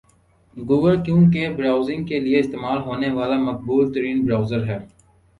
Google چونکہ browsing کے لئے استعمال ہونے والا مقبول ترین برؤزر ہے